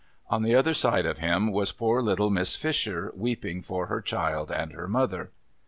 ■ On the other side of him was ])Oor little Mrs. Fisher, weeping for her child and her mother.